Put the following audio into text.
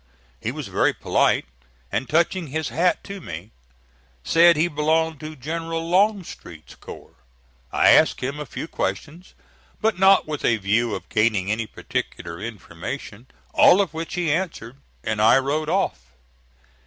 He was very polite, and, touching his hat to me, said he belonged to General Longstreet's corps. I asked him a few questions but not with a view of gaining any particular information all of which he answered, and I rode off.